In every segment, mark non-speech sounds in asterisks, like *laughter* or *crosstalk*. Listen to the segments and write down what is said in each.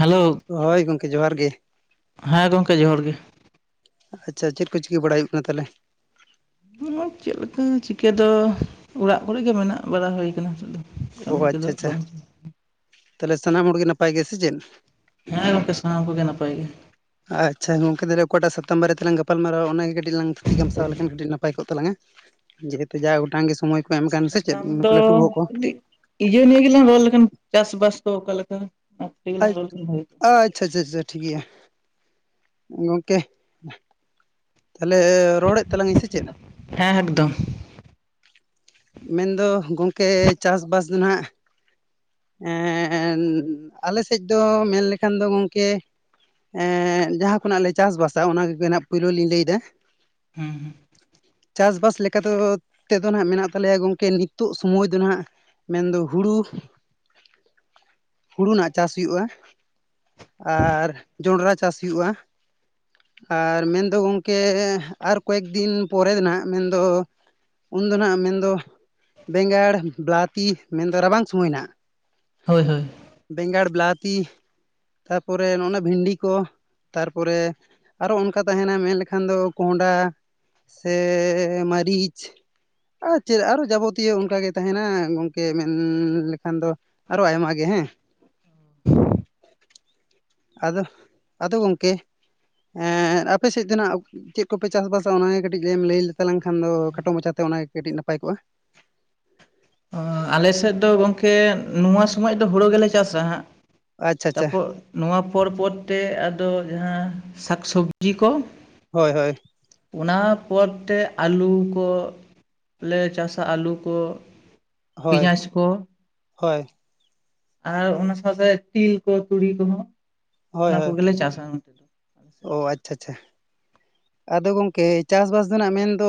Hello ᱦᱳᱭ ᱜᱚᱝᱠᱮ ᱡᱚᱦᱟᱨ ᱜᱮ᱾ ᱦᱮᱸ ᱜᱚᱝᱠᱮ ᱡᱚᱦᱟᱨ ᱜᱮ ᱟᱪᱪᱷᱟ ᱪᱮᱫ ᱠᱚ ᱪᱤᱠᱟᱹ ᱵᱟᱲᱟᱭ ᱦᱩᱭᱩᱜ ᱠᱟᱱᱟ ᱛᱟᱦᱚᱞᱮ? *inaudible* ᱪᱮᱫ ᱞᱮᱠᱟ ᱪᱤᱠᱟᱹ ᱫᱚ, ᱚᱲᱟᱜ ᱠᱚᱨᱮ ᱜᱮ ᱢᱮᱱᱟᱜ ᱵᱟᱲᱟ ᱦᱳᱭ ᱠᱟᱱᱟ ᱱᱤᱛᱚᱜ ᱫᱚ᱾ ᱚ ᱠᱟᱹᱢᱤ ᱟᱪᱪᱷᱟ ᱠᱚᱫᱚ ᱟᱪᱪᱷᱟ᱾ ᱵᱟᱝ ᱛᱟᱦᱚᱞᱮ ᱥᱟᱱᱟᱢ ᱦᱚᱲᱜᱮ ᱱᱟᱯᱟᱭ ᱜᱮ ᱥᱮ ᱪᱮᱫ? ᱦᱮᱸ ᱜᱚᱝᱠᱮ ᱥᱟᱱᱟᱢ ᱠᱚᱜᱮ ᱱᱟᱯᱟᱭ ᱜᱮ᱾ ᱟᱪᱪᱷᱟ ᱜᱚᱝᱠᱮ ᱛᱟᱦᱚᱞᱮ ᱚᱠᱟᱴᱟᱜ ᱥᱟᱛᱟᱢ ᱵᱟᱨᱮ ᱛᱮᱞᱟᱝ ᱜᱟᱯᱟᱞᱢᱟᱨᱟᱣᱟ ᱚᱱᱟᱜᱮ ᱠᱟᱹᱴᱤᱡ ᱞᱟᱝ ᱛᱷᱩᱛᱤ ᱠᱷᱟᱢᱥᱟᱣ ᱞᱮᱠᱷᱟᱱ ᱠᱟᱹᱴᱤᱡ ᱱᱟᱯᱟᱭ ᱠᱚᱜ ᱛᱟᱞᱟᱝᱟ᱾ ᱡᱮᱦᱮᱛᱩ ᱡᱟ ᱜᱚᱴᱟᱝ ᱜᱮ ᱥᱚᱢᱚᱭ ᱠᱚ ᱮᱢ ᱠᱟᱱ ᱥᱮ ᱪᱮᱫ ᱥᱟᱛᱟᱢ ᱱᱩᱠᱩ ᱫᱚ ᱞᱟᱹᱴᱩ ᱵᱚᱦᱚᱜ ᱠᱚ ᱠᱟᱹᱴᱤᱜ ᱤᱭᱟ ᱱᱤᱭᱟᱹ ᱜᱮᱞᱟᱝ ᱨᱚᱲ ᱞᱮᱠᱷᱟᱱ, ᱪᱟᱥ ᱵᱟᱥ ᱫᱚ ᱚᱠᱟ ᱞᱮᱠᱟ ᱚᱱᱟ ᱠᱟᱴᱤᱡ ᱞᱟᱝ ᱨᱚᱲ ᱞᱮᱠᱷᱟᱱ ᱵᱷᱟᱜᱤ ᱠᱚᱜ-ᱟ᱾ ᱟᱪᱪᱷᱟ ᱟᱪᱪᱷᱟ ᱟᱪᱪᱷᱟ ᱴᱷᱤᱠ ᱜᱮᱭᱟ, ᱜᱚᱝᱠᱮ ᱛᱟᱦᱚᱞᱮ ᱨᱚᱲᱮᱫ ᱛᱟᱞᱟᱝᱟᱹᱧ ᱥᱮ ᱪᱮᱫ? ᱦᱮᱸ ᱮᱠᱫᱚᱢ᱾ ᱢᱮᱱ ᱫᱚ ᱜᱚᱝᱠᱮ ᱪᱟᱥ ᱵᱟᱥ ᱫᱚ ᱱᱟᱦᱟᱜ ᱮᱸᱻ ᱟᱞᱮ ᱥᱮᱡ ᱫᱚ ᱢᱮᱱ ᱞᱮᱠᱷᱟᱱ ᱫᱚ ᱜᱚᱝᱠᱮ ᱮᱸ ᱡᱟᱦᱟᱸ ᱠᱷᱚᱱᱟᱜ ᱞᱮ ᱪᱟᱥᱼᱵᱟᱥᱟᱫᱟ ᱚᱱᱟ ᱜᱮ ᱠᱟᱹᱡ ᱱᱟᱦᱟᱜ ᱯᱳᱭᱞᱳ ᱞᱤᱧ ᱞᱟᱹᱭᱫᱟ᱾ ᱦᱩᱸ ᱦᱩᱸ᱾ ᱪᱟᱥ ᱵᱟᱥ ᱞᱮᱠᱟ ᱛᱮᱫᱚ, ᱛᱮᱫᱚ ᱱᱟᱦᱟᱜ ᱢᱮᱱᱟᱜ ᱛᱟᱞᱮᱭᱟ ᱜᱚᱝᱠᱮ ᱱᱤᱛᱚᱜ ᱥᱚᱢᱚᱭ ᱫᱚ ᱱᱟᱦᱟᱜ ᱢᱮᱱᱫᱚ ᱦᱩᱲᱩ, ᱦᱩᱲᱩ ᱱᱟᱜ ᱪᱟᱥ ᱦᱩᱭᱩᱜ-ᱟ, ᱟᱨ ᱡᱚᱸᱰᱨᱟ ᱪᱟᱥ ᱦᱩᱭᱩᱜᱼᱟ, ᱟᱨ ᱢᱮᱱ ᱫᱚ ᱜᱚᱝᱠᱮ ᱟᱨ ᱠᱚᱭᱮᱠ ᱫᱤᱱ ᱯᱚᱨᱮ ᱫᱚ ᱱᱟᱦᱟᱜ ᱢᱮᱱᱫᱚ ᱩᱱᱫᱚ ᱱᱟᱦᱟᱜ ᱢᱮᱱᱫᱚ ᱵᱮᱸᱜᱟᱲ, ᱵᱞᱟᱛᱤ ᱢᱮᱱᱫᱚ ᱨᱟᱵᱟᱝ ᱥᱚᱢᱚᱭ ᱱᱟᱦᱟᱜ, ᱦᱳᱭ ᱦᱳᱭ᱾ ᱵᱮᱸᱜᱟᱲ ᱵᱤᱞᱟᱛᱤ ᱛᱟᱨᱯᱚᱨᱮ ᱚᱱᱮ ᱵᱷᱤᱱᱰᱤ ᱠᱚ ᱛᱟᱨᱯᱚᱨᱮ ᱟᱨᱚ ᱚᱱᱠᱟ ᱛᱟᱦᱮᱱᱟ ᱢᱮᱱ ᱞᱮᱠᱷᱟᱱ ᱫᱚ ᱠᱚᱸᱰᱟ ᱥᱮᱻ ᱢᱟᱹᱨᱤᱪ ᱟᱨ ᱪᱮᱫ ᱟᱨᱚ ᱡᱟᱵᱚᱛᱤᱭᱚ ᱚᱱᱠᱟᱜᱮ ᱛᱟᱦᱮᱱᱟ ᱜᱚᱝᱠᱮ ᱢᱮᱱᱻ ᱞᱮᱠᱷᱟᱱ ᱫᱚ ᱟᱨᱚ ᱟᱭᱢᱟ ᱜᱮ ᱦᱮᱸ ᱟᱫᱚ ᱟᱫᱚ ᱜᱚᱢᱠᱮ ᱮᱸᱜᱻ ᱟᱯᱮ ᱥᱮᱫ ᱫᱚ ᱱᱟᱜ ᱪᱮᱫ ᱠᱚᱯᱮ ᱪᱟᱥᱵᱟᱥᱟ ᱚᱱᱟᱜᱮ ᱠᱟᱹᱴᱤᱡ ᱮᱢ ᱞᱟᱹᱭ ᱞᱮᱛᱟᱞᱟᱝᱠᱷᱟᱱ ᱫᱚ ᱠᱷᱟᱴᱚ ᱢᱟᱪᱷᱟᱛᱮ ᱚᱱᱟ ᱠᱟᱹᱴᱤᱡ ᱱᱟᱯᱟᱭ ᱠᱚᱜ-ᱟ᱾ ᱟᱞ ᱥᱮᱫ ᱫᱚ ᱜᱚᱝᱠᱮ ᱱᱚᱣᱟ ᱥᱚᱢᱚᱭ ᱫᱚ ᱦᱳᱲᱳ ᱜᱮᱞᱮ ᱪᱟᱥᱟ ᱦᱟᱸᱜ ᱟᱪᱪᱷᱟ ᱟᱪᱪᱷᱟ ᱛᱟᱨᱯᱚᱨ ᱱᱚᱣᱟ ᱯᱚᱨ ᱯᱚᱨᱛᱮ ᱟᱫᱚ ᱡᱟᱦᱟᱸ ᱥᱟᱠᱥᱚᱵᱽᱡᱤ ᱠᱚ ᱦᱳᱭ ᱦᱳᱭ ᱚᱱᱟ ᱯᱚᱨ ᱛᱮ ᱟᱹᱞᱩ ᱠᱚ ᱞᱮ ᱪᱟᱥᱟ ᱟᱹᱞᱩ ᱠᱚ ᱦᱳᱭ ᱯᱮᱸᱭᱟᱡᱽ ᱠᱚ ᱦᱳᱭ ᱟᱨ ᱚᱱᱟ ᱥᱟᱶᱛᱮ ᱛᱤ ᱠᱚ ᱛᱩᱲᱤ ᱠᱚᱦᱚᱸ ᱦᱳᱭ ᱚᱱᱟ ᱦᱳᱭ ᱠᱚᱜᱮᱞᱮ ᱪᱟᱥᱟ ᱥᱮᱫ ᱚ ᱟᱪᱪᱷᱟ ᱟᱪᱪᱷᱟ ᱟᱫᱚ ᱜᱚᱝᱠᱮ ᱪᱟᱥ ᱵᱟᱥ ᱨᱮᱱᱟᱜ ᱢᱮᱱᱫᱚ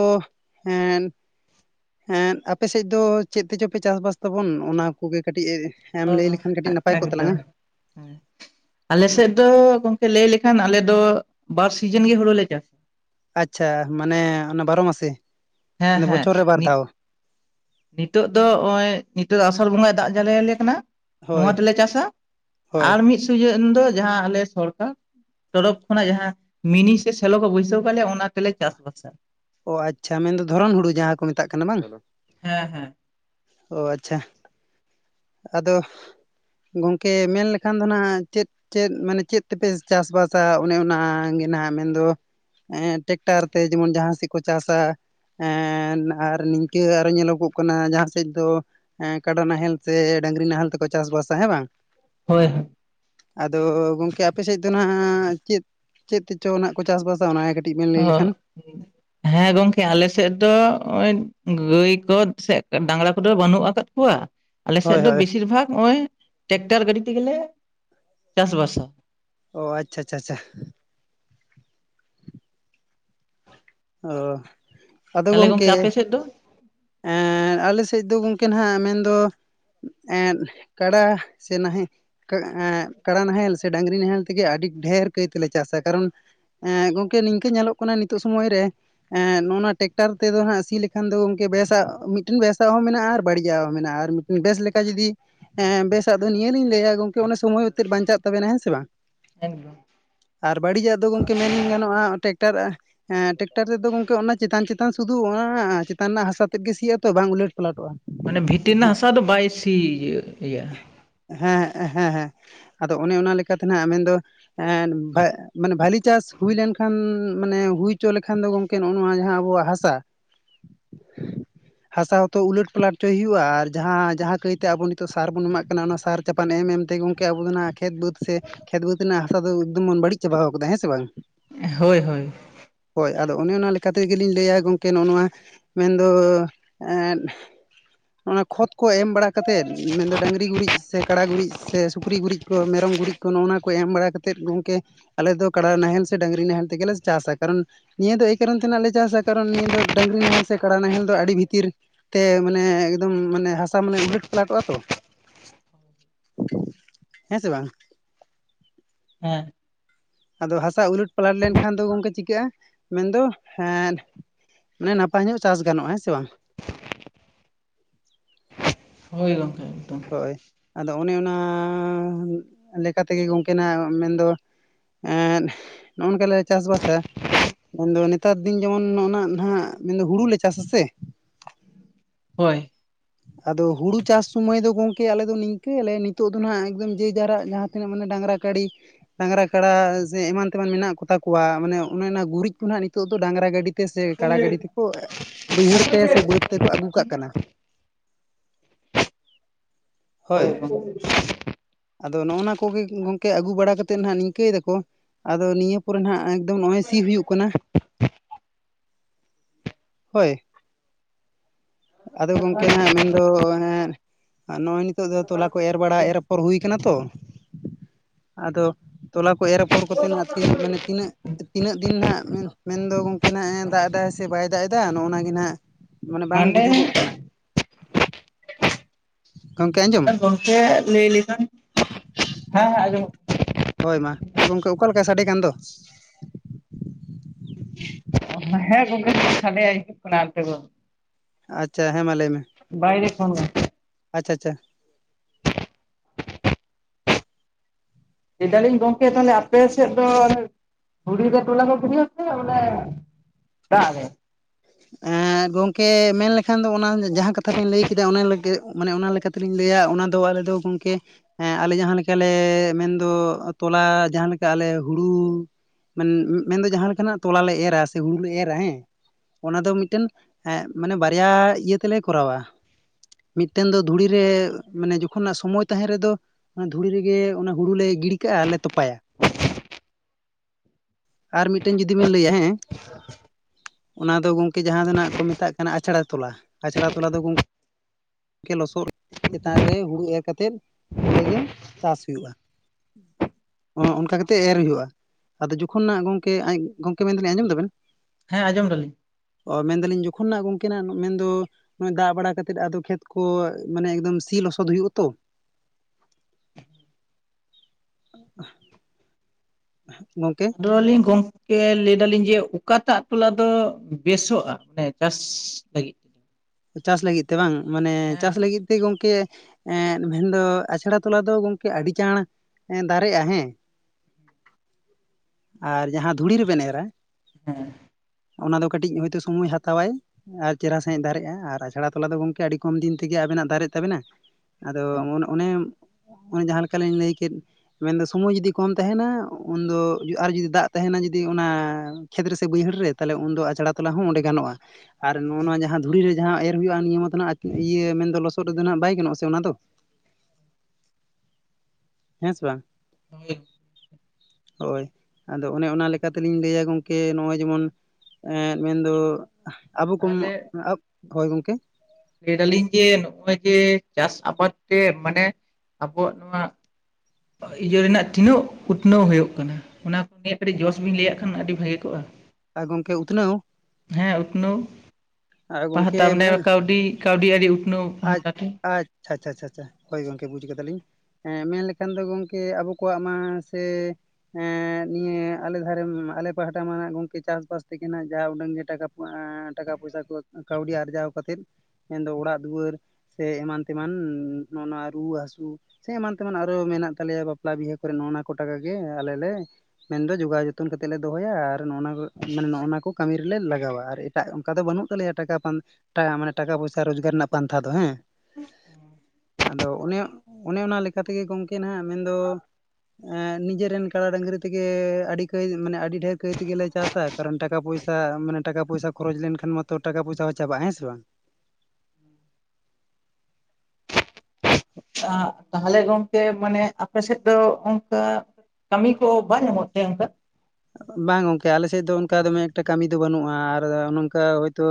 ᱮᱸᱜ ᱮᱸᱜ ᱟᱯᱮ ᱥᱮᱫ ᱫᱚ ᱪᱮᱫ ᱛᱮᱪᱚᱯᱮ ᱪᱟᱥᱵᱟᱥ ᱛᱟᱵᱚᱱ ᱚᱱᱟ ᱠᱚᱜᱮ ᱠᱟᱹᱴᱤᱡ ᱮᱢ ᱞᱟᱹᱭ ᱫᱚ᱾ ᱚ ᱞᱮᱠᱷᱟᱱ ᱠᱟᱹᱴᱤᱡ ᱱᱟᱯᱟᱭ ᱠᱚᱜ ᱛᱟᱞᱟᱝ-ᱟ᱾ ᱦᱮᱸ ᱟᱞᱮᱥᱮᱫ ᱫᱚ ᱜᱚᱝᱠᱮ ᱞᱟᱹᱭ ᱞᱮᱠᱷᱟᱱ ᱟᱞᱮ ᱫᱚ ᱵᱟᱨ ᱥᱤᱡᱤᱱ ᱜᱮ ᱦᱩᱲᱩ ᱞᱮ ᱪᱟᱥᱟ᱾ ᱟᱪᱪᱷᱟ ᱢᱟᱱᱮ ᱚᱱᱟ ᱵᱟᱨᱚ ᱢᱟᱥᱤ ᱵᱚᱪᱷᱚᱨ ᱨᱮ ᱵᱟᱨ ᱫᱷᱟᱣ ᱱᱤᱛᱳᱜ ᱫᱚ ᱱᱚᱜᱼᱚᱭ ᱱᱤᱛᱚᱜ ᱫᱚ ᱟᱥᱟᱲ ᱵᱚᱸᱜᱟᱭ ᱫᱟᱜ ᱡᱟᱞᱮ ᱟᱞᱮ ᱠᱟᱱᱟ ᱱᱚᱣᱟ ᱦᱳᱭ ᱛᱮᱞᱮ ᱪᱟᱥᱟ ᱦᱳᱭ ᱟᱨ ᱢᱤᱫ ᱥᱩᱡᱟᱹᱜ ᱫᱚ ᱡᱟᱦᱟᱸ ᱟᱞᱮ ᱥᱚᱨᱠᱟᱨ ᱛᱚᱨᱚᱯᱷ ᱠᱷᱚᱱᱟᱜ ᱡᱟᱦᱟᱸ ᱢᱤᱱᱤ ᱥᱮ ᱥᱮᱞᱳ ᱠᱚ ᱵᱟᱹᱭᱥᱟᱹᱣ ᱠᱟᱜ ᱞᱮᱭᱟ ᱚᱱᱟ ᱛᱮᱞᱮ ᱪᱟᱥ ᱵᱟᱥᱟ᱾ ᱚ ᱟᱪᱪᱷᱟ ᱢᱮᱱᱫᱚ ᱫᱷᱚᱨᱚᱱ ᱦᱩᱲᱩ ᱡᱟᱦᱟᱸ ᱠᱚ ᱢᱮᱛᱟᱜ ᱠᱟᱱᱟ ᱵᱟᱝ ᱦᱮᱸ ᱦᱮᱸ ᱚ ᱟᱪᱪᱷᱟ ᱟᱫᱚ ᱜᱚᱝᱠᱮ ᱢᱮᱱ ᱞᱮᱠᱷᱟᱱ ᱫᱚ ᱱᱟᱦᱟᱜ ᱪᱮᱫ ᱪᱮᱫ ᱢᱟᱱᱮ ᱪᱮᱫ ᱛᱮᱯᱮ ᱪᱟᱥ ᱵᱟᱥᱟ ᱚᱱᱮ ᱚᱱᱟᱜᱮ ᱱᱟᱦᱟᱜ ᱢᱮᱱᱫᱚ? ᱮᱸ ᱴᱨᱟᱠᱴᱟᱨ ᱛᱮ ᱡᱮᱢᱚᱱ ᱡᱟᱦᱟᱸ ᱥᱮᱫ ᱠᱚ ᱪᱟᱥᱟ ᱮᱸ ᱟᱨ ᱱᱤᱝᱠᱟᱹ ᱟᱨᱚ ᱧᱮᱞᱚᱜᱚᱜ ᱠᱟᱱᱟ ᱡᱟᱦᱟᱸ ᱥᱮᱫ ᱫᱚ ᱮᱸ ᱠᱟᱰᱟ ᱱᱟᱦᱮᱞ ᱥᱮ ᱰᱟᱝᱨᱤ ᱱᱟᱦᱮᱞ ᱛᱮᱠᱚ ᱪᱟᱥᱵᱟᱥᱟ ᱦᱮᱸ ᱵᱟᱝ ᱦᱳᱭ ᱟᱫᱚ ᱜᱚᱝᱠᱮ ᱟᱯᱮ ᱥᱮᱫ ᱫᱚ ᱱᱟᱦᱟᱜ ᱪᱮᱫ ᱪᱮᱫ ᱛᱮᱪᱚ ᱱᱟᱜ ᱠᱚ ᱪᱟᱥᱵᱟᱥᱟ ᱚᱱᱟᱜᱮ ᱠᱟᱹᱴᱤᱡ ᱵᱮᱱ ᱚ *inaudible* ᱦᱮᱸ ᱜᱚᱝᱠᱮ ᱟᱞᱮᱥᱮᱫ ᱫᱚ ᱜᱟᱹᱭ ᱠᱚ ᱰᱟᱝᱨᱟ ᱠᱚᱫᱚ ᱵᱟᱹᱱᱩᱜ ᱟᱠᱟᱫ ᱠᱚᱣᱟ ᱦᱳᱭ ᱟᱞᱮᱥᱮᱫ ᱫᱚ ᱦᱳᱭ ᱵᱮᱥᱤᱨ ᱵᱷᱟᱜᱽ ᱱᱚᱜᱼᱚᱭ ᱴᱮᱠᱴᱟᱨ ᱜᱟᱹᱰᱤ ᱛᱮᱜᱮᱞᱮ ᱪᱟᱥ ᱵᱟᱥᱟ ᱚ ᱟᱪᱪᱷᱟ ᱟᱪᱷᱟ ᱟᱪᱪᱷᱟ ᱚ ᱛᱟᱦᱚᱞᱮ ᱜᱚᱝᱠᱮ ᱟᱯᱮᱥᱮᱫ ᱫᱚ? ᱮᱸᱜᱻ ᱟᱞᱮᱥᱮᱫ ᱫᱚ ᱜᱚᱢᱠᱮ ᱱᱟᱦᱟᱸᱜ ᱢᱮᱱᱫᱚ ᱮᱸᱜ ᱠᱟᱰᱟ ᱥᱮ ᱱᱟᱦᱮᱞ ᱮᱸᱜ ᱠᱟᱬᱟ ᱱᱟᱦᱮᱞ ᱥᱮ ᱰᱟᱝᱨᱤ ᱱᱟᱦᱮᱞ ᱛᱮᱜᱮ ᱟᱹᱰᱤ ᱰᱷᱹᱮᱨ ᱠᱟᱹᱭ ᱛᱮᱞᱮ ᱪᱟᱥᱟ ᱠᱟᱨᱚᱱ ᱦᱮᱸ ᱜᱚᱝᱠᱮ ᱱᱤᱝᱠᱟᱹ ᱧᱮᱞᱚᱜ ᱠᱟᱱᱟ ᱱᱤᱛᱚᱜ ᱥᱚᱢᱚᱭ ᱨᱮ ᱱᱚᱜ ᱱᱚᱣᱟ ᱴᱮᱠᱴᱟᱨ ᱛᱮᱫᱚ ᱱᱟᱦᱟᱜ ᱥᱤ ᱞᱮᱠᱷᱟᱱ ᱫᱚ ᱵᱮᱥᱟᱜ ᱢᱤᱫᱴᱮᱱ ᱵᱮᱥᱟᱜ ᱦᱚᱸ ᱢᱮᱱᱟᱜᱼᱟ ᱟᱨ ᱵᱟᱹᱲᱤᱡᱟᱜ ᱦᱚᱸ ᱢᱮᱱᱟᱜᱼᱟ ᱟᱨ ᱢᱤᱫᱴᱟᱝ ᱵᱮᱥ ᱞᱮᱠᱟ ᱡᱩᱫᱤ ᱦᱮᱸ ᱵᱮᱥᱟᱜ ᱫᱚ ᱱᱤᱭᱟᱹᱞᱤᱧ ᱞᱟᱹᱭᱟ ᱜᱚᱝᱠᱮ ᱚᱱᱟ ᱥᱚᱢᱚᱭᱚ ᱩᱛᱷᱟᱱ ᱵᱟᱧᱪᱟᱜ ᱛᱟᱵᱮᱱᱟ ᱦᱮᱸ ᱥᱮ ᱵᱟᱝ᱾ *unintelligible* ᱟᱨ ᱵᱟᱹᱲᱤᱡᱟᱜ ᱫᱚ ᱜᱚᱢᱠᱮ ᱢᱮᱱ ᱜᱟᱱᱚᱜᱼᱟ ᱴᱮᱠᱴᱟᱨ ᱦᱮᱸ ᱴᱨᱟᱠᱴᱟᱨ ᱛᱮᱫᱚ ᱜᱚᱝᱠᱮ ᱚᱱᱟ ᱪᱮᱛᱟᱱ ᱪᱮᱛᱟᱱ ᱥᱩᱫᱷᱩ ᱚᱱᱟ ᱪᱮᱛᱟᱱ ᱨᱮᱱᱟᱜ ᱦᱟᱥᱟ ᱛᱮᱫ ᱜᱮ ᱥᱤ ᱟᱛᱚ ᱵᱟᱝ ᱩᱞᱟᱹᱴ ᱯᱞᱟᱴᱚᱜᱼᱟ᱾ ᱢᱟᱱᱮ ᱵᱷᱤᱛᱤᱨᱱᱟᱜ ᱦᱟᱥᱟ ᱫᱚ ᱵᱟᱭ ᱥᱤ ᱤᱭᱟ. ᱟ᱾ ᱦᱮᱸ ᱦᱮᱸ ᱦᱮᱸ ᱟᱫᱚ ᱚᱱᱮ ᱚᱱᱟ ᱞᱮᱠᱟᱛᱮ ᱱᱟᱦᱱᱟᱜ ᱢᱮᱱᱫᱚ ᱢᱟᱱᱮ ᱵᱷᱟᱞᱤ ᱪᱟᱥ ᱦᱩᱭ ᱞᱮᱱᱠᱷᱟᱱ ᱢᱟᱱᱮ ᱦᱩᱭ ᱦᱚᱪᱚ ᱞᱮᱠᱷᱟᱱ ᱫᱚ ᱜᱚᱝᱠᱮ ᱮᱠᱮᱱ ᱱᱚᱜ ᱱᱚᱣᱟ ᱡᱟᱦᱟᱸ ᱟᱵᱚᱣᱟᱜ ᱦᱟᱥᱟ ᱦᱟᱥᱟ ᱦᱚᱛᱚ ᱩᱞᱟᱹᱴ ᱯᱞᱟᱴ ᱚᱪᱚᱭ ᱦᱩᱭᱩᱜᱼᱟ ᱟᱨ ᱡᱟᱸᱦᱟᱸ ᱡᱟᱸᱦᱟᱸ ᱠᱟᱹᱭᱛᱮ ᱟᱵᱚ ᱱᱤᱛᱚᱜ ᱥᱟᱨ ᱵᱚᱱ ᱮᱢᱟᱜ ᱠᱟᱱᱟ ᱚᱱᱟ ᱥᱟᱨ ᱪᱟᱯᱟᱱ ᱮᱢ ᱮᱢᱛᱮ ᱜᱚᱢᱠᱮ ᱟᱵᱚᱫᱚ ᱱᱟᱦᱱᱟᱜ ᱠᱷᱮᱛ ᱵᱟᱹᱫᱽ ᱥᱮ ᱠᱷᱮᱛ ᱵᱟᱹᱛ ᱨᱮᱱᱟᱜ ᱦᱟᱥᱟ ᱫᱚ ᱮᱠᱫᱚᱢᱵᱚᱱ ᱵᱟᱹᱲᱤᱡ ᱪᱟᱵᱟ ᱟᱠᱟᱫᱟ ᱦᱮᱸ ᱥᱮ ᱵᱟᱝ᱾ ᱦᱳᱭ ᱦᱳᱭ ᱦᱳᱭ ᱟᱫᱚ ᱚᱱᱮ ᱚᱱᱟ ᱞᱮᱠᱟ ᱛᱮᱜᱮᱞᱤᱧ ᱞᱟᱹᱭᱟ ᱜᱚᱝᱠᱮ ᱱᱚᱜᱼᱚᱭ ᱱᱚᱣᱟ᱾ ᱢᱮᱱᱫᱚ ᱮᱫ ᱚᱱᱟ ᱠᱷᱚᱛ ᱠᱚ ᱮᱢ ᱵᱟᱲᱟ ᱠᱟᱛᱮᱫ ᱢᱮᱱᱫᱚ ᱰᱟᱹᱝᱨᱤ ᱜᱩᱨᱤᱡ, ᱥᱮ ᱠᱟᱲᱟ ᱜᱩᱨᱤᱡ, ᱥᱮ ᱥᱩᱠᱨᱤ ᱜᱩᱨᱤᱡ, ᱠᱚ ᱢᱮᱨᱚᱢ ᱜᱩᱨᱤᱡ ᱠᱚ ᱱᱚᱜᱼᱱᱟᱠᱚ ᱮᱢ ᱵᱟᱲᱟ ᱠᱟᱛᱮᱫ ᱜᱚᱢᱠᱮ ᱟᱞᱮ ᱫᱚ ᱠᱟᱰᱟ ᱱᱟᱦᱮᱞ ᱥᱮ ᱰᱟᱝᱨᱤ ᱱᱟᱦᱮᱞ ᱛᱮᱜᱮᱞᱮ ᱪᱟᱥᱟ, ᱠᱟᱨᱚᱱ ᱱᱤᱭᱟᱹ ᱫᱚ ᱮᱭ ᱠᱟᱨᱚᱱ ᱛᱮᱱᱟᱜ ᱞᱮ ᱪᱟᱥᱟ ᱠᱟᱨᱚᱱ ᱱᱤᱭᱟᱹ ᱫᱚ ᱰᱟᱝᱨᱤ ᱱᱟᱦᱮᱞ ᱥᱮ ᱠᱟᱰᱟ ᱱᱟᱦᱮᱞ ᱫᱚ ᱟᱹᱰᱤ ᱵᱷᱤᱛᱤᱨ ᱛᱮ ᱢᱟᱱᱮ ᱮᱠᱫᱚᱢ ᱢᱟᱱᱮ ᱦᱟᱥᱟ ᱢᱟᱱᱮ ᱩᱞᱟᱹᱴ ᱯᱟᱞᱟᱴᱚᱜᱼᱟ ᱛᱚ᱾ ᱦᱮᱸ ᱥᱮ ᱵᱟᱝ ᱦᱮᱸ ᱟᱫᱚ ᱦᱟᱥᱟ ᱩᱞᱟᱹᱴ ᱯᱞᱟᱴ ᱞᱮᱱᱠᱷᱟᱱ ᱫᱚ ᱜᱚᱢᱠᱮ ᱪᱤᱠᱟᱹᱜᱼᱟ ᱢᱮᱱᱫᱚ ᱮᱸ᱾ ᱢᱟᱱᱮ ᱱᱟᱯᱟᱭ ᱧᱚᱜ ᱪᱟᱥ ᱜᱟᱱᱚᱜᱼᱟ ᱦᱮᱸ ᱥᱮ ᱵᱟᱝ᱾ ᱦᱳᱭ ᱜᱚᱢᱮᱠᱮ ᱮᱠᱫᱚᱢ᱾ ᱦᱳᱭ ᱟᱫᱚ ᱚᱱᱮ ᱚᱱᱟ ᱞᱮᱠᱟ ᱛᱮᱜᱮ ᱜᱚᱝᱠᱮᱱᱟᱜ ᱢᱮᱱᱫᱚ, ᱮ ᱱᱚᱜ ᱱᱚᱝᱠᱟᱞᱮ ᱪᱟᱥᱵᱟᱥᱟ᱾ ᱢᱮᱱᱫᱚ ᱱᱮᱛᱟᱨ ᱫᱤᱱ ᱡᱮᱢᱚᱱ ᱱᱚ ᱱᱟᱱᱟᱜ ᱢᱮᱱᱫᱚ ᱦᱩᱲᱩᱞᱮ ᱪᱟᱥ ᱟᱥᱮ ᱦᱳᱭ ᱟᱫᱚ ᱦᱩᱲᱩ ᱪᱟᱥ ᱥᱩᱚᱢᱚᱭ ᱫᱚ ᱜᱚᱝᱠᱮ ᱟᱞᱮ ᱫᱚ ᱱᱤᱝᱠᱟᱹᱭᱟᱞᱮ ᱱᱤᱛᱚᱜ ᱫᱚ ᱦᱟᱜ ᱮᱠᱫᱚᱢ ᱡᱮ ᱡᱟᱨᱟᱜ ᱡᱟᱸᱦᱟᱸ ᱛᱤᱱᱟᱹᱜ ᱢᱟᱱᱮ ᱰᱟᱝᱨᱟ ᱠᱟᱲᱤ ᱰᱟᱝᱨᱟ ᱠᱟᱰᱟ ᱥᱮ ᱮᱢᱟᱱ ᱛᱮᱢᱟᱱ ᱢᱮᱱᱟᱜ ᱠᱚᱛᱟ ᱠᱚᱣᱟ ᱢᱟᱱᱮ ᱚᱱᱮ ᱚᱱᱟ ᱜᱩᱨᱤᱡᱽ ᱠᱚ ᱱᱟᱦᱟᱜ ᱱᱤᱛᱚᱜ ᱫᱚ ᱰᱟᱝᱨᱟ ᱜᱟᱹᱰᱤ ᱛᱮ ᱥᱮ ᱠᱟᱲᱟ ᱜᱟᱹᱰᱤ ᱛᱮᱠᱚ ᱵᱟᱹᱭᱦᱟᱹᱲ ᱛᱮ ᱥᱮ ᱵᱟᱹᱫᱽ ᱛᱮᱠᱚ ᱟᱹᱜᱩ ᱠᱟᱜ ᱠᱟᱱᱟ᱾ ᱦᱳᱭ *unintelligible* ᱟᱫᱚ ᱱᱚᱜᱼᱚᱭ ᱱᱚᱣᱟ ᱠᱚᱜᱮ ᱜᱚᱝᱠᱮ ᱟᱹᱜᱩ ᱵᱟᱲᱟ ᱠᱟᱛᱮᱫ ᱦᱟᱜ ᱱᱤᱝᱠᱟᱹᱭ ᱮᱫᱟᱠᱚ ᱟᱫᱚ ᱱᱤᱭᱟᱹ ᱯᱚᱨᱮ ᱱᱟᱜ ᱮᱠᱫᱚᱢ ᱱᱚᱜᱼᱚᱭ ᱥᱤ ᱦᱩᱭᱩᱜ ᱠᱟᱱᱟ᱾ ᱦᱳᱭ ᱟᱫᱚ ᱜᱚᱢᱠᱮ ᱱᱟᱦᱟᱜ ᱢᱮᱱᱫᱚ ᱟᱨ ᱱᱚᱜᱼᱚᱭ ᱱᱤᱛᱚᱜ ᱫᱚ ᱛᱚᱞᱟ ᱠᱚ ᱮᱨ ᱵᱟᱲᱟ ᱮᱨᱟᱯᱷᱚᱨ ᱦᱩᱭ ᱟᱠᱟᱱᱟ ᱛᱚ, ᱟᱫᱚ ᱛᱚᱞᱟ ᱠᱚ ᱮᱨ ᱟᱯᱷᱚᱨ ᱠᱟᱛᱮ ᱦᱟᱸᱜ ᱛᱤᱱ ᱢᱟᱱᱮ ᱛᱤᱱᱟᱹᱜ ᱛᱤᱱᱟᱹᱜ ᱫᱤᱱ ᱦᱟᱸᱜ ᱢᱮᱱᱫᱚ ᱜᱚᱝᱠᱮ ᱱᱟᱜ ᱮ ᱫᱟᱜ ᱮᱫᱟ ᱥᱮ ᱵᱟᱭ ᱫᱟᱜ ᱮᱫᱟ ᱱᱚᱜ-ᱱᱟ ᱜᱮ ᱱᱟᱦᱟᱜ᱾ ᱢᱟᱱᱮ ᱵᱟᱝ ᱜᱩᱡᱩᱜᱚᱜ ᱠᱟᱱᱟ ᱠᱚ, ᱜᱚᱝᱠᱮ ᱟᱸᱡᱚᱢ? ᱪᱮᱫ ᱞᱟᱸᱭ ᱞᱮᱫᱟᱢ, ᱦᱮᱸ ᱦᱮᱸ ᱟᱸᱡᱚᱜ ᱦᱳᱭ ᱢᱟ ᱮ ᱜᱚᱢᱠᱮ ᱚᱠᱟᱞᱮᱠᱟ ᱥᱟᱰᱮ ᱠᱟᱱ ᱫᱚ? ᱦᱮᱸ ᱜᱚᱢᱠᱮ ᱥᱟᱰᱮ ᱦᱤᱡᱩᱜ ᱠᱟᱱᱟ ᱦᱟᱱᱛᱮ ᱠᱷᱚᱱ ᱾ ᱟᱪᱪᱷᱟ ᱦᱮᱸ ᱢᱟ ᱞᱟᱹᱭ ᱢᱮ ᱾ ᱵᱟᱦᱨᱮ ᱠᱷᱚᱱ ᱜᱮ ᱾ ᱟᱪᱪᱷᱟ ᱟᱪᱪᱷᱟ ᱾ ᱞᱟᱹᱭ ᱫᱟᱞᱤᱧ ᱜᱚᱝᱠᱮ ᱛᱟᱦᱚᱞᱮ ᱟᱯᱮ ᱥᱮᱫ ᱫᱚ ᱦᱩᱲᱩ ᱨᱮ ᱛᱚᱞᱟ ᱠᱚ ᱜᱤᱰᱤ ᱟᱥᱮ ᱢᱟᱱᱮ ᱫᱟᱜ ᱨᱮ ᱾ ᱮᱸ ᱜᱚᱝᱠᱮ ᱢᱮᱱᱞᱮᱠᱷᱟᱱ ᱫᱚ ᱚᱱᱟ ᱡᱟᱦᱟᱸ ᱠᱟᱛᱷᱟ ᱵᱮᱱ ᱞᱟᱹᱭ ᱠᱮᱫᱟ ᱚᱱᱟ *unintelligible* ᱢᱟᱱᱮ ᱚᱱᱟ ᱞᱮᱠᱟᱛᱮ ᱛᱤᱞᱤᱧ ᱞᱟᱹᱭᱟ ᱚᱱᱟ ᱫᱚ ᱟᱞᱮ ᱫᱚ ᱜᱚᱢᱠᱮ ᱦᱮᱸ ᱟᱞᱮ ᱡᱟᱦᱟᱸ ᱞᱮᱠᱟᱞᱮ ᱢᱮᱱᱫᱚ ᱛᱚᱞᱟ ᱡᱟᱦᱟᱸ ᱞᱮᱠᱟ ᱟᱞᱮ ᱦᱩᱲᱩ ᱢᱮᱱ ᱢᱮᱱᱫᱚ ᱡᱟᱦᱟᱸ ᱞᱮᱠᱟᱱᱟᱜ ᱛᱚᱞᱟ ᱞᱮ ᱮᱨᱟ ᱥᱮ ᱦᱩᱲᱩᱞᱮ ᱮᱨᱟ ᱦᱮᱸ ᱚᱱᱟ ᱫᱚ ᱢᱤᱫᱴᱮᱱ ᱮᱜ ᱢᱟᱱᱮ ᱵᱟᱨᱭᱟ ᱤᱭᱟᱹ ᱛᱮᱞᱮ ᱠᱚᱨᱟᱣᱟ ᱢᱤᱫᱴᱮᱱ ᱫᱚ ᱫᱷᱩᱲᱤᱨᱮ ᱢᱟᱱᱮ ᱡᱚᱠᱷᱚᱱᱟᱜ ᱥᱚᱢᱚᱭ ᱛᱟᱦᱮᱸ ᱨᱮᱫᱚ ᱚᱱᱟ ᱫᱷᱩᱲᱤ ᱨᱮᱜᱮ ᱚᱱᱟ ᱦᱩᱲᱩ ᱞᱮ ᱜᱤᱰᱤ ᱠᱟᱜ-ᱟ ᱟᱨᱞᱮ ᱛᱚᱯᱟᱭᱟ ᱟᱨ ᱢᱤᱫᱴᱮᱱ ᱡᱩᱫᱤ ᱵᱮᱱ ᱞᱟᱹᱭᱟ ᱦᱮᱸ *inaudible* ᱚᱱᱟ ᱫᱚ ᱜᱚᱢᱠᱮ ᱡᱟᱦᱟᱸ ᱫᱚᱱᱟᱜ ᱠᱚ ᱢᱮᱛᱟᱜ ᱠᱟᱱᱟ ᱟᱪᱷᱲᱟ ᱛᱚᱞᱟ ᱟᱪᱷᱲᱟ ᱛᱚᱞᱟ ᱫᱚ ᱜᱚᱢ ᱠᱮ ᱞᱚᱥᱚᱫ ᱪᱮᱛᱟᱱ ᱨᱮ ᱦᱩᱲᱩ ᱮᱨ ᱠᱟᱛᱮᱫ ᱚᱸᱰᱮ ᱜᱮ ᱪᱟᱥ ᱦᱩᱭᱩᱜ-ᱟ ᱾ ᱚᱱᱟ ᱚᱱᱠᱟ ᱠᱟᱛᱮᱫ ᱮᱨ ᱦᱩᱭᱩᱜ ᱟᱫᱚ ᱡᱚᱠᱷᱚᱱᱟᱜ ᱜᱚᱝᱠᱮ ᱟᱡ, ᱜᱚᱝᱠᱮ ᱢᱮᱱᱫᱟᱞᱤᱧ ᱟᱸᱡᱚᱢ ᱫᱟᱵᱮᱱ? ᱦᱮᱸ ᱟᱸᱡᱚᱢ ᱫᱟᱞᱤᱧ ᱾ ᱚ ᱢᱮᱱᱫᱟᱞᱤᱧ ᱡᱚᱠᱷᱚᱱᱟᱜ ᱜᱚᱢᱠᱮᱱᱟᱜ ᱢᱮᱱᱫᱚ ᱱᱚᱜᱚᱭ ᱫᱟᱜ ᱵᱟᱲᱟ ᱠᱟᱛᱮᱜ ᱟᱫᱚ ᱠᱷᱮᱛ ᱠᱚ ᱢᱟᱱᱮ ᱮᱠᱫᱚᱢ ᱥᱤ-ᱞᱚᱥᱚᱫ ᱦᱩᱭᱩᱜ ᱟᱛᱚ ᱜᱚᱝᱠᱮ? *unintelligible* ᱜᱚᱢ ᱠᱮ ᱞᱟᱹᱭ ᱫᱟᱞᱤᱧ ᱡᱮ ᱚᱠᱟᱴᱟᱜ ᱛᱚᱞᱟ ᱫᱚ ᱵᱮᱥᱚᱜ-ᱟ ᱢᱟᱱᱮ ᱪᱟᱥ ᱞᱟᱹᱜᱤᱫ, ᱛᱮ? ᱪᱟᱥ ᱞᱟᱹᱜᱤᱫ ᱛᱮ ᱵᱟᱝ ᱢᱟᱱᱮ ᱪᱟᱥ ᱦᱮᱸ ᱞᱟᱹᱜᱤᱫ ᱛᱮ ᱜᱚᱢᱠᱮ ᱮ ᱢᱮᱱᱫᱚ ᱟᱪᱷᱲᱟ ᱛᱚᱞᱟ ᱫᱚ ᱜᱚᱢᱠᱮ ᱟᱹᱰᱤ ᱪᱟᱬ ᱮᱸ ᱫᱟᱨᱮᱜ-ᱟ ᱦᱮᱸ ᱟᱨ ᱡᱟᱦᱟᱸ ᱫᱷᱩᱲᱤ ᱨᱮᱵᱮᱱ ᱮᱨᱟ ᱦᱮᱸ ᱾ ᱚᱱᱟ ᱫᱚ ᱠᱟᱹᱴᱤᱡ ᱦᱳᱭᱛᱳ ᱥᱚᱢᱚᱭ ᱦᱟᱛᱟᱣᱟᱭ ᱟᱨ ᱪᱮᱨᱦᱟ ᱥᱟᱹᱦᱤᱡ ᱫᱟᱨᱮᱜ-ᱟ, ᱟᱨ ᱟᱪᱷᱲᱟ ᱛᱚᱞᱟ ᱫᱚ ᱜᱚᱢᱠᱮ ᱟᱹᱰᱤ ᱠᱚᱢ ᱫᱤᱱ ᱛᱮᱜᱮ ᱟᱵᱮᱱᱟᱜ ᱫᱟᱨᱮᱜ ᱛᱟᱵᱮᱱᱟ ᱟᱫᱚ ᱚᱱ ᱚᱱᱮ ᱚᱱᱮ ᱡᱟᱦᱟᱸ ᱞᱮᱠᱟᱞᱤᱧ ᱞᱟᱹᱭ ᱠᱮᱫ ᱢᱮᱱᱫᱚ ᱥᱚᱢᱚᱭ ᱡᱩᱫᱤ ᱠᱚᱢ ᱛᱟᱦᱮᱱᱟ ᱩᱱᱫᱚ ᱟᱨ ᱡᱩᱫᱤ ᱫᱟᱜ ᱛᱟᱦᱮᱱᱟ ᱡᱩᱫᱤ ᱚᱱᱟ ᱠᱷᱮᱛ ᱨᱮ ᱥᱮ ᱵᱟᱹᱭᱦᱟᱹᱲ ᱨᱮ ᱛᱟᱦᱚᱞᱮ ᱩᱱᱫᱚ ᱟᱪᱷᱲᱟ ᱛᱚᱞᱟ ᱦᱚᱸ ᱚᱸᱰᱮ ᱜᱟᱱᱚᱜ-ᱟ, ᱟᱨ ᱱᱚᱜ-ᱱᱚᱣᱟ ᱡᱟᱦᱟᱸ ᱫᱷᱩᱲᱤ ᱨᱮ ᱡᱟᱦᱟᱸ ᱮᱨ ᱦᱩᱭᱩᱜ-ᱟ ᱱᱤᱭᱟᱹ ᱢᱟᱛᱚ ᱱᱟᱜ ᱤᱭᱟᱹ ᱢᱮᱱᱫᱚ ᱞᱚᱥᱚᱫ ᱨᱮᱫᱚ ᱱᱟᱦᱟᱜ ᱵᱟᱭ ᱜᱟᱱᱚᱜ-ᱟ ᱥᱮ ᱚᱱᱟ ᱫᱚ ᱦᱮᱸ ᱥᱮ ᱵᱟᱝ ᱾ *unintelligible* ᱦᱳᱭ ᱟᱫᱚ ᱚᱱᱮ ᱚᱱᱟ ᱞᱮᱠᱟ ᱛᱮᱞᱤᱧ ᱞᱟᱹᱭᱟ ᱜᱚᱝᱠᱮ ᱱᱚᱜ-ᱚᱭ ᱡᱮᱢᱚᱱ ᱮᱸ ᱢᱮᱱᱫᱚ ᱟᱵᱚ ᱠᱚᱢ, ᱛᱟᱦᱚᱞᱮ ᱦᱳᱭ ᱜᱚᱢᱠᱮ? ᱞᱟᱹᱭ ᱫᱟᱞᱤᱧ ᱡᱮ ᱱᱚᱜ-ᱚᱭ ᱡᱮ ᱪᱟᱥ ᱟᱵᱟᱫᱽ ᱛᱮ ᱢᱟᱱᱮ ᱟᱵᱚᱣᱟᱜ ᱱᱚᱣᱟ ᱤᱭᱟᱹ ᱨᱮᱱᱟᱜ ᱛᱤᱱᱟᱹᱜ ᱩᱛᱱᱟᱹᱣ ᱦᱩᱭᱩᱜ ᱠᱟᱱᱟ ᱚᱱᱟ ᱠᱚᱜᱮ ᱠᱟᱹᱴᱤᱡ ᱡᱚᱥ ᱵᱤᱱ ᱞᱟᱹᱭᱟᱜ ᱠᱷᱟᱱ ᱟᱹᱰᱤ ᱵᱷᱟᱹᱜᱤ ᱠᱚᱜ-ᱟ ᱾ ᱟᱨ ᱜᱚᱝᱠᱮ ᱩᱛᱱᱟᱹᱣ *inaudible* ᱦᱮᱸ ᱩᱛᱱᱟᱹᱣ ᱟᱨ *inaudible* ᱯᱟᱦᱴᱟᱜ ᱜᱚᱝᱠᱮ ᱢᱮᱱ ᱢᱟᱱᱮ ᱠᱟᱹᱣᱰᱤ ᱠᱟᱹᱣᱰᱤ ᱟᱹᱨᱤ ᱩᱛᱱᱟᱹᱣ ᱟᱪ ᱯᱟᱦᱴᱟ ᱴᱷᱮᱱ ᱟᱪᱪᱷᱟ ᱟᱪᱪᱷᱟ, ᱦᱳᱭ ᱜᱚᱝᱠᱮ ᱵᱩᱡ ᱠᱮᱫᱟᱞᱤᱧ ᱾ ᱦᱮᱸ, ᱢᱮᱱ ᱞᱮᱠᱷᱟᱱ ᱫᱚ ᱜᱚᱢᱠᱮ ᱟᱵᱚ ᱠᱚᱣᱟᱜ ᱢᱟ ᱥᱮ ᱮᱸ, ᱱᱤᱭᱟᱹ ᱟᱞᱮ ᱫᱷᱟᱨᱮ ᱟᱞᱮ ᱯᱟᱦᱴᱟ ᱢᱟ ᱜᱚᱝᱠᱮ ᱪᱟᱥᱵᱟᱥ ᱛᱮᱜᱮ ᱱᱟᱦᱟᱜ ᱡᱟᱦᱟᱸ ᱩᱰᱟᱹᱝ ᱜᱮ ᱴᱟᱠᱟ ᱴᱟᱠᱟ ᱯᱚᱭᱥᱟ ᱠᱚ ᱠᱟᱹᱣᱰᱤ ᱟᱨᱡᱟᱣ ᱠᱟᱛᱮᱫ ᱫᱚ ᱚᱲᱟᱜ ᱫᱩᱣᱟᱹᱨ ᱥᱮ ᱮᱢᱟᱱ ᱛᱮᱢᱟᱱ ᱱᱚᱜ-ᱱᱟ ᱱᱚᱣᱟ ᱨᱩᱣᱟᱹ ᱦᱟᱹᱥᱩ ᱥᱮ ᱮᱢᱟᱱ ᱛᱮᱢᱟᱱ ᱟᱨᱚ ᱢᱮᱱᱟᱜ ᱛᱟᱞᱮᱭᱟ ᱵᱟᱯᱞᱟ ᱵᱤᱦᱟᱹ ᱠᱚᱨᱮ ᱱᱚᱜ- ᱱᱚᱣᱟ ᱠᱚ ᱴᱟᱠᱟ ᱜᱮ ᱟᱞᱮ ᱞᱮ ᱢᱮᱱᱫᱚ ᱡᱚᱜᱟᱣ ᱡᱚᱛᱚᱱ ᱠᱟᱛᱮᱫ ᱞᱮ ᱫᱚᱦᱚᱭᱟ ᱟᱨ ᱱᱚᱜ-ᱱᱟ ᱢᱟᱱᱮ ᱱᱚᱜ-ᱱᱚᱣᱟ ᱠᱚ ᱠᱟᱹᱢᱤ ᱨᱮᱞᱮ ᱞᱟᱜᱟᱣᱟ ᱾ ᱟᱨ ᱚᱱᱠᱟ ᱫᱚ ᱵᱟᱹᱱᱩᱜ ᱛᱟᱞᱮᱭᱟ ᱴᱟᱠᱟ ᱢᱟᱱᱮ ᱴᱟᱠᱟ ᱯᱚᱭᱥᱟ ᱨᱳᱡᱽᱜᱟᱨ ᱨᱮᱱᱟᱜ ᱯᱟᱱᱛᱷᱟ ᱫᱚ, ᱦᱮᱸ ᱾ ᱟᱫᱚ ᱚᱱᱮ ᱚᱱᱮ ᱚᱱᱟ ᱞᱮᱠᱟ ᱛᱮᱜᱮ ᱜᱚᱢᱠᱮ ᱦᱟᱜ ᱢᱮᱱᱫᱚ ᱮᱸ, ᱱᱤᱡᱮ ᱨᱮᱱ ᱠᱟᱲᱟ ᱰᱟᱺᱝᱨᱤ ᱛᱮᱜᱮ ᱟᱹᱰᱤ ᱠᱟᱹᱭ ᱢᱟᱱᱮ ᱟᱹᱰᱤ ᱰᱷᱮᱨ ᱠᱟᱹᱭ ᱛᱮᱜᱮ ᱞᱮ ᱪᱟᱥ ᱠᱟᱨᱚᱱ ᱴᱟᱠᱟ ᱯᱚᱭᱥᱟᱹ ᱢᱟᱱᱮ ᱴᱟᱠᱟ ᱟ ᱾ ᱠᱟᱨᱚᱱ ᱴᱟᱠᱟ ᱯᱚᱭᱥᱟ ᱢᱟᱱᱮ ᱴᱟᱠᱟ ᱯᱚᱭᱥᱟ ᱠᱷᱚᱨᱚᱪ ᱞᱮᱱᱠᱷᱟᱱ ᱢᱟᱛᱚ ᱴᱟᱠᱟ ᱯᱚᱭᱥᱟ ᱦᱚᱸ ᱪᱟᱵᱟᱜ-ᱟ ᱦᱮᱸ ᱥᱮ ᱵᱟᱝ ᱾ *inaudible* ᱛᱟᱦᱚᱞᱮ ᱜᱚᱝᱠᱮ ᱢᱟᱱᱮ ᱟᱯᱮ ᱥᱮᱫ ᱫᱚ ᱚᱱᱠᱟ ᱠᱟᱹᱢᱤ ᱠᱚ ᱵᱟᱝ ᱧᱟᱢᱚᱜ ᱛᱮ ᱚᱝᱠᱟ? ᱵᱟᱝ ᱜᱚᱝᱠᱮ ᱟᱞᱮ ᱥᱮᱫ ᱫᱚ ᱚᱱᱠᱟ ᱫᱚᱢᱮ ᱮᱠᱴᱟ ᱠᱟᱹᱢᱤ ᱫᱚ ᱵᱟᱹᱱᱩᱜ-ᱟ ᱾ ᱟᱨ ᱱᱚᱝᱠᱟ ᱦᱳᱭᱛᱳ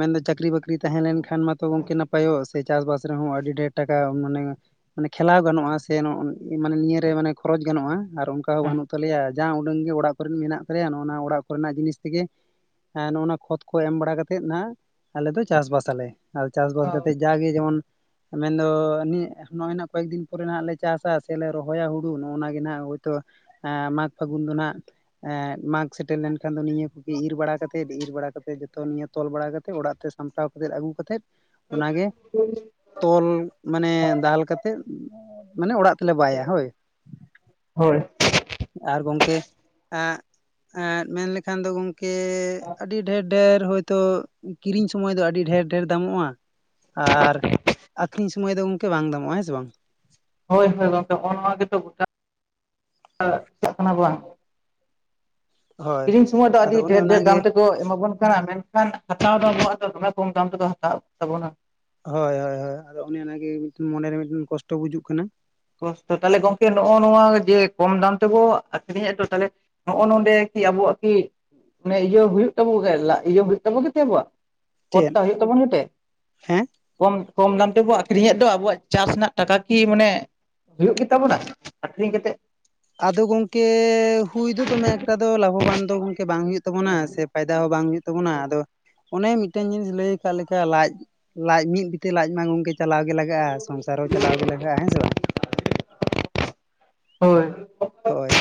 ᱢᱮᱱᱫᱚ ᱪᱟᱹᱠᱨᱤ ᱵᱟᱹᱠᱨᱤ ᱛᱟᱦᱮᱸ ᱞᱮᱱᱠᱷᱟᱱ ᱢᱟᱛᱚ ᱜᱚᱝᱠᱮ ᱱᱟᱯᱟᱭᱚᱜ-ᱟ ᱥᱮ ᱥᱮ ᱪᱟᱥᱵᱟᱥ ᱨᱮᱦᱚᱸ ᱟᱹᱰᱤ ᱰᱷᱮᱨ ᱴᱟᱠᱟ ᱢᱟᱱᱮ ᱢᱟᱱᱮ ᱠᱷᱮᱞᱟᱣ ᱜᱟᱱᱚᱜ-ᱟ ᱥᱮ ᱢᱟᱱᱮ ᱱᱤᱭᱟᱹ ᱨᱮ ᱢᱟᱱᱮ ᱠᱷᱚᱨᱚᱪ ᱜᱟᱱᱚᱜ-ᱟ ᱾ ᱟᱨ ᱚᱱᱠᱟ ᱦᱚᱸ ᱦᱮᱸ ᱵᱟᱹᱱᱩᱜ ᱛᱟᱞᱮᱭᱟ, ᱡᱟ ᱩᱰᱟᱹᱝ ᱜᱮ ᱚᱲᱟᱜ ᱠᱚᱨᱮ ᱢᱮᱱᱟᱜ ᱛᱟᱞᱮᱭᱟ ᱱᱚᱜ-ᱱᱟ ᱚᱲᱟᱜ ᱠᱚᱨᱮᱱᱟᱜ ᱡᱤᱱᱤᱥ ᱛᱮᱜᱮ ᱱᱚᱜᱼᱱᱟ ᱠᱷᱚᱛ ᱠᱚ ᱮᱢ ᱵᱟᱲᱟ ᱠᱟᱛᱮᱫ ᱱᱟᱜ ᱟᱞᱮ ᱫᱚ ᱪᱟᱥᱵᱟᱥ ᱟᱞᱮ ᱾ ᱟᱨ ᱪᱟᱥᱵᱟᱥ ᱦᱳᱭ ᱠᱟᱛᱮᱜ ᱡᱟᱜᱮ ᱡᱮᱢᱚᱱ ᱢᱮᱱᱫᱚ ᱱᱚᱜ-ᱚᱭ ᱱᱟᱜ ᱠᱚᱭᱮᱠ ᱫᱤᱱ ᱯᱚᱨᱮ ᱱᱟᱦᱟᱜ ᱞᱮ ᱪᱟᱥᱟ ᱥᱮ ᱞᱮ ᱨᱚᱦᱚᱭᱟ ᱦᱩᱲᱩ, ᱱᱚᱜ-ᱚᱱᱟ ᱜᱮ ᱱᱟᱦᱟᱜ ᱦᱳᱭᱛᱳ ᱮᱸ, ᱢᱟᱜᱽ ᱯᱷᱟᱹᱜᱩᱱ ᱫᱚ ᱱᱟᱜ ᱮᱸᱫ, ᱢᱟᱜᱽ ᱥᱮᱴᱮᱨ ᱞᱮᱱᱠᱷᱟᱱ ᱫᱚ ᱱᱤᱭᱟᱹ ᱠᱚᱜᱮ ᱤᱨ ᱵᱟᱲᱟ ᱠᱟᱛᱮᱫ, ᱤᱨ ᱵᱟᱲᱟ ᱠᱟᱛᱮᱜ ᱡᱚᱛᱚ ᱱᱤᱭᱟᱹ ᱛᱚᱞ ᱵᱟᱲᱟ ᱠᱟᱛᱮ ᱚᱲᱟᱜ ᱛᱮ ᱥᱟᱢ ᱴᱟᱣ ᱠᱟᱛᱮᱫ ᱟᱹᱜᱩ ᱠᱟᱛᱮᱫ ᱚᱱᱟᱜᱮ ᱛᱚᱞ ᱢᱟᱱᱮ ᱫᱟᱞ ᱢᱟᱱᱮ ᱠᱟᱛᱮᱫ ᱢᱟᱱᱮ ᱚᱲᱟᱜ ᱛᱮᱞᱮ ᱵᱟᱭᱟ ᱦᱳᱭ ᱾ ᱦᱳᱭ ᱾ ᱟᱨ ᱜᱚᱢᱠᱮ ᱮᱜ ᱮᱜ ᱢᱮᱱ ᱞᱠᱷᱟᱱ ᱫᱚ ᱜᱚᱝᱠᱮ ᱟᱹᱰᱤ ᱰᱷᱮᱨ ᱰᱷᱮᱨ, ᱦᱳᱭ ᱛᱚ ᱠᱤᱨᱤᱧ ᱥᱚᱢᱚᱭ ᱫᱚ ᱟᱹᱰᱤ ᱰᱷᱮᱨ ᱰᱷᱮᱨ ᱫᱟᱢᱚᱜ-ᱟ ᱾ ᱟᱨ ᱟᱠᱷᱨᱤᱧ ᱥᱚᱢᱚᱭ ᱫᱚ ᱜᱚᱢᱠᱮ ᱵᱟᱝ ᱫᱟᱢᱚᱜ-ᱟ ᱦᱮᱸ ᱥᱮ ᱵᱟᱝ ᱾ ᱦᱳᱭ ᱦᱳᱭ ᱜᱚᱝᱠᱮ, ᱱᱚᱜᱼᱚ ᱱᱚᱣᱟ ᱜᱮᱛᱚ ᱜᱚᱴᱟ ᱪᱟᱜ ᱠᱟᱱᱟ ᱵᱟᱝ ᱾ ᱦᱳᱭ ᱠᱤᱨᱤᱧ ᱥᱚᱢᱚᱭ ᱫᱚ ᱟᱹᱰᱤ ᱟᱫᱚ ᱚᱱᱮ ᱰᱷᱮᱨ ᱰᱷᱮᱨ ᱫᱟᱢ ᱚᱱᱟᱜᱮ ᱛᱮ ᱠᱚ ᱮᱢᱟᱵᱚᱱ ᱠᱟᱱᱟ ᱢᱮᱱᱠᱷᱟᱱ ᱦᱟᱛᱟᱣ ᱫᱚ ᱟᱵᱚᱣᱟᱜ ᱫᱚ ᱫᱚᱢᱮ ᱠᱚᱢ ᱫᱟᱢ ᱛᱮᱠᱚ ᱦᱟᱛᱟᱣᱮᱫ ᱛᱟᱵᱚᱱᱟ ᱾ ᱦᱳᱭ ᱦᱳᱭ ᱦᱳᱭ, ᱟᱫᱚ ᱚᱱᱮ ᱚᱱᱟ ᱜᱮ ᱢᱚᱱᱮ ᱨᱮ ᱢᱤᱫᱴᱮᱱ ᱠᱚᱥᱴᱚ ᱵᱩᱡᱩᱜ ᱠᱟᱱᱟ ᱾ ᱠᱚᱥᱴᱚ, ᱛᱟᱦᱞᱮ ᱜᱚᱝᱠᱮ ᱱᱚᱜ-ᱚ ᱱᱚᱣᱟ ᱡᱮ ᱠᱚᱢ ᱫᱟᱢ ᱛᱮᱵᱚ ᱟᱠᱷᱨᱤᱧ ᱮᱫ ᱫᱚ ᱛᱟᱦᱚᱞᱮ ᱱᱚᱜ-ᱚᱭ ᱱᱚᱰᱮ ᱠᱤ ᱟᱵᱚᱣᱟᱜ ᱠᱤ ᱚᱱᱮ ᱤᱭᱟᱹ ᱦᱩᱭᱩᱜ ᱛᱟᱵᱩ ᱞᱟᱡ ᱤᱭᱟᱹ ᱦᱩᱭᱩᱜ ᱛᱟᱵᱚ ᱜᱮ ᱟᱵᱚᱣᱟᱜ ᱾ ᱯᱚᱲᱛᱟ ᱪᱮᱫ ᱦᱩᱭᱩᱜ ᱛᱟᱵᱚᱱ ᱜᱮᱛᱮ? ᱦᱮᱸ ᱠᱚᱢ ᱠᱚᱢ ᱫᱟᱢ ᱛᱮᱵᱚ ᱟᱠᱷᱨᱤᱧᱮᱫ ᱫᱚ, ᱟᱵᱚᱣᱟᱜ ᱪᱟᱥ ᱨᱮᱱᱟᱜ ᱴᱟᱠᱟ ᱠᱤ ᱢᱟᱱᱮ ᱦᱩᱭᱩᱜ ᱜᱮ ᱛᱟᱵᱚᱱᱟ ᱟᱠᱷᱨᱤᱧ ᱠᱟᱛᱮᱫ? ᱟᱫᱚ ᱜᱚᱢᱠᱮ ᱦᱩᱭ ᱫᱚ ᱫᱚᱢᱮ ᱮᱠᱴᱟ ᱫᱚ ᱞᱟᱵᱷᱚᱵᱟᱱ ᱫᱚ ᱜᱚᱢᱠᱮ ᱵᱟᱝ ᱦᱩᱭᱩᱜ ᱛᱟᱵᱚᱱᱟ ᱥᱮ ᱯᱷᱟᱭᱫᱟ ᱦᱚᱸ ᱵᱟᱝ ᱦᱩᱭᱩᱜ ᱛᱟᱵᱚᱱᱟ ᱾ ᱟᱫᱚ ᱚᱱᱮ ᱢᱤᱫᱴᱮᱱ ᱡᱤᱱᱤᱥ ᱞᱟᱹᱭ ᱟᱠᱟᱫ ᱞᱮᱠᱟ ᱞᱟᱡ ᱞᱟᱡ ᱢᱤᱫ ᱵᱤᱛᱮ ᱞᱟᱡ ᱢᱟ ᱜᱚᱝᱠᱮ ᱪᱟᱞᱟᱣ ᱜᱮ ᱥᱚᱝᱥᱟᱨ ᱦᱚᱸ ᱪᱟᱞᱟᱣ ᱜᱮ ᱞᱟᱜᱟᱜᱼᱟ ᱦᱮᱸᱥᱮ ᱵᱟᱝ *inaudible* ᱦᱳᱭ ᱦᱳᱭ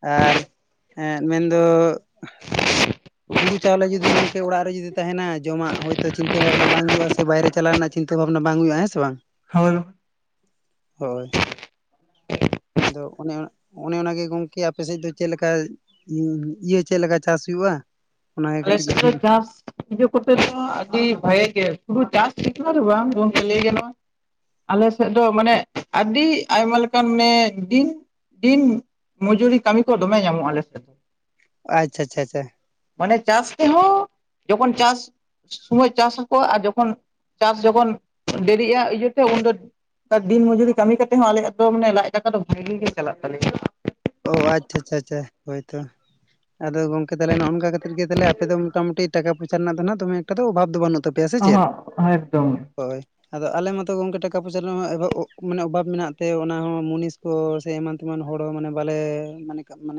ᱟᱨ ᱮᱸᱜ ᱢᱮᱱᱫᱚ ᱦᱩᱲᱩ ᱪᱟᱣᱞᱮ ᱡᱩᱫᱤ ᱜᱚᱝᱠᱮ ᱚᱲᱟᱜ ᱨᱮ ᱡᱩᱫᱤ ᱛᱟᱦᱮᱱᱟ ᱡᱚᱢᱟᱜ ᱦᱳᱭᱛᱳ ᱪᱤᱱᱛᱟᱹ ᱵᱷᱟᱵᱱᱟ ᱵᱟᱝ ᱦᱩᱭᱩᱜᱼᱟ ᱵᱟᱭᱨᱮ ᱪᱟᱞᱟᱣ ᱨᱮᱱᱟᱜ ᱪᱤᱱᱛᱟᱹ ᱵᱷᱟᱵᱱᱟ ᱵᱟᱝ ᱦᱩᱭᱩᱜᱼᱟ ᱦᱮᱸ ᱥᱮ ᱵᱟᱝ ᱦᱳᱭ ᱦᱳᱭ ᱟᱫᱚ ᱚᱱᱮ ᱚᱱᱮ ᱚᱱᱟᱜᱮ ᱜᱚᱝᱠᱮ ᱟᱯᱮ ᱥᱮᱫ ᱫᱚ ᱪᱮᱫ ᱞᱮᱠᱟ ᱩᱸ ᱤᱭᱟᱹ ᱪᱮᱫ ᱞᱮᱠᱟ ᱪᱟᱥ ᱦᱩᱭᱩᱜᱼᱟ? ᱚᱱᱟᱜᱮ ᱟᱞᱮ ᱠᱟᱹᱴᱤᱡ ᱥᱮᱫ ᱫᱚ ᱪᱟᱥ ᱤᱭᱟ. ᱠᱚᱛᱮ ᱫᱚ ᱟᱹᱰᱤ ᱵᱷᱟᱜᱮ ᱜᱮ ᱥᱩᱫᱩ ᱪᱟᱥ ᱮᱠᱞᱟ ᱫᱚ ᱵᱟᱝ ᱜᱚᱢᱠᱮ ᱞᱟ. ᱭ ᱜᱟᱱᱚᱜᱼᱟ ᱟᱞᱮ ᱥᱮᱫ ᱫᱚ ᱢᱟᱱᱮ ᱟᱹᱰᱤ ᱟᱭᱢᱟ ᱞᱮᱠᱟᱱ ᱢᱟᱱᱮ ᱫᱤᱱ ᱫᱤᱱ ᱢᱚᱡᱩᱨᱤ ᱠᱟᱹᱢᱤ ᱠᱚ ᱫᱚᱢᱮ ᱧᱟᱢᱚᱜᱼᱟ ᱟᱞᱮᱥᱮᱫ ᱟᱪᱽᱪᱷᱟ ᱟᱪᱷᱟ ᱟᱪᱷᱟ ᱢᱟᱱᱮ ᱪᱟᱥ ᱛᱮᱦᱚᱸ ᱡᱚᱠᱷᱚᱱ ᱪᱟᱥ ᱥᱚᱢᱚᱭ ᱪᱟᱥ ᱟᱠᱚ ᱟᱨ ᱡᱚᱠᱷᱚᱱ ᱪᱟᱥ ᱡᱚᱠᱷᱚᱱ ᱰᱤᱨᱤᱜᱼ ᱟ ᱤᱭᱟᱹᱛᱮ ᱩᱱ ᱫᱚ ᱫᱤᱱ ᱢᱚᱡᱩᱨᱤ ᱠᱟᱹᱢᱤ ᱠᱟᱛᱮ ᱦᱚᱸ ᱟᱞᱮᱭᱟᱜ ᱫᱚ ᱢᱟᱱᱮ ᱞᱟᱡ ᱫᱟᱠᱟ ᱫᱚ ᱵᱷᱟᱜᱤ ᱜᱮ ᱪᱟᱞᱟᱜ ᱛᱟᱞᱮᱭᱟ ᱚ ᱟᱪᱪᱷᱟ ᱟᱪᱪᱷᱟ ᱟᱪᱪᱷᱟ ᱦᱳᱭᱛᱚ ᱟᱫᱚ ᱜᱚᱝᱠᱮ ᱛᱟᱞᱦᱮ ᱱᱚᱝ ᱱᱚᱝᱠᱟ ᱠᱟᱛᱮᱫ ᱜᱮ ᱟᱯᱮ ᱫᱚ ᱢᱚᱴᱟᱢᱩᱴᱤ ᱴᱟᱠᱟ ᱯᱚᱭᱥᱟ ᱨᱮᱱᱟᱜ ᱫᱚ ᱫᱚᱢᱮ ᱮᱠᱴᱟ ᱚᱷᱟᱵ ᱫᱚ ᱵᱟᱹᱱᱩᱜ ᱛᱟᱯᱮᱭᱟ ᱥᱮ ᱪᱮᱫ ᱚᱦᱚᱸ ᱮᱠᱫᱚᱢ ᱦᱳᱭ ᱟᱫᱚ ᱟᱞᱮ ᱢᱟᱛᱚ ᱜᱚᱝᱠᱮ ᱴᱟᱠᱟ ᱯᱚᱭᱥᱟ ᱨᱮᱱᱟᱜ ᱚᱵᱷᱟ ᱢᱟᱱᱮ ᱚᱵᱷᱟᱵᱽ ᱢᱮᱱᱟᱜ ᱛᱮ ᱚᱱᱟ ᱦᱚᱸ ᱢᱩᱱᱤᱥ ᱠᱚ ᱥᱮ ᱮᱢᱟᱱ ᱛᱮᱢᱟᱱ ᱛᱮᱢᱟᱱ ᱦᱚᱲ ᱦᱚᱸ ᱯᱟᱞᱮ ᱢᱚᱱᱮᱠᱟᱜ ᱢᱮ ᱟᱢ